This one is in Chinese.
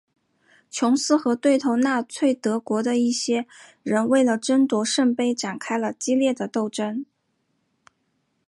琼斯和对头纳粹德国的一些人为了争夺圣杯展开了激烈的斗争。